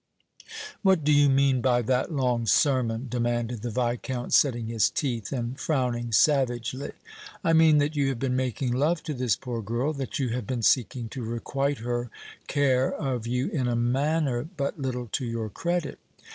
"What do you mean by that long sermon?" demanded the Viscount, setting his teeth and frowning savagely. "I mean that you have been making love to this poor girl, that you have been seeking to requite her care of you in a manner but little to your credit!"